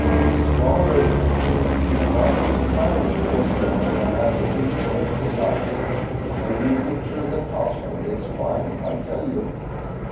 " His father his father is a bank president, and has a big estate besides. He showed me a picture of the castle it's fine, I tell you."